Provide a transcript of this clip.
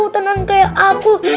tenang kayak aku